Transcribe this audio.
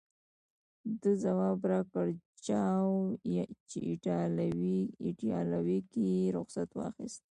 ده ځواب راکړ: چاو، په ایټالوي کې یې رخصت واخیست.